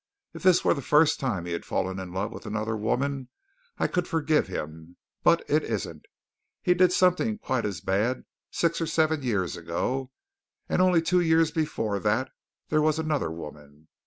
If this were the first time he had fallen in love with another woman, I could forgive him, but it isn't. He did something quite as bad six or seven years ago, and only two years before that there was another woman.